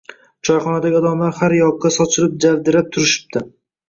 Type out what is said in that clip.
Choyxonadagi odamlar har yoqqa sochilib-javdirab turishipti.